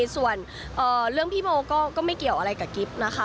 ส่วนเรื่องพี่โบก็ไม่เกี่ยวอะไรกับกิ๊บนะคะ